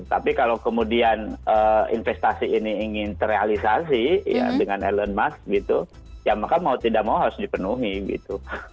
tapi kalau kemudian investasi ini ingin terrealisasi ya dengan elon musk gitu ya maka mau tidak mau harus dipenuhi gitu